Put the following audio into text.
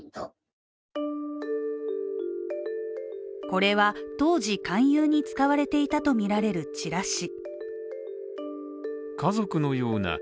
これは当時、勧誘に使われていたとみられるチラシ。